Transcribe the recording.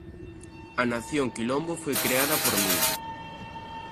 A Nación Quilombo foi creada por min.